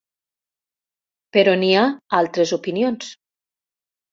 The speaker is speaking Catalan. Però n'hi ha altres opinions.